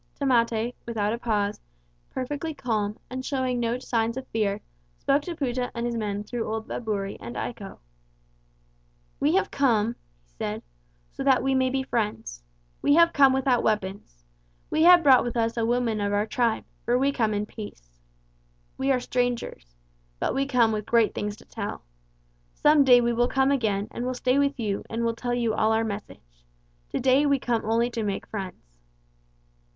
Tamate, without a pause, perfectly calm, and showing no signs of fear, spoke to Pouta and his men through old Vaaburi and Iko. "We have come," he said, "so that we may be friends. We have come without weapons. We have brought with us a woman of our tribe, for we come in peace. We are strangers. But we come with great things to tell. Some day we will come again and will stay with you and will tell you all our message. To day we come only to make friends."